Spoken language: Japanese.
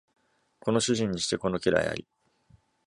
この主人にしてこの家来あり。